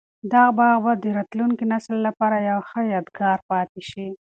دا باغ به د راتلونکي نسل لپاره یو ښه یادګار پاتي شي.